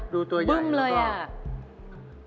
ดูตัวใหญ่น่ากันบึ้มเลยอะ